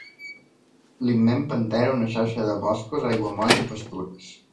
L'immens pantà era una xarxa de boscos, aiguamolls i pastures.